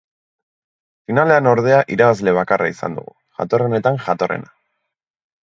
Finalean, ordea, irabazle bakarra izan dugu, jatorrenetan jatorrena.